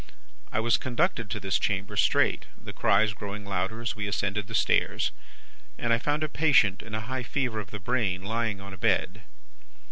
I was conducted to this chamber straight, the cries growing louder as we ascended the stairs, and I found a patient in a high fever of the brain, lying on a bed.